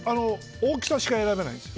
大きさしか選べないんです。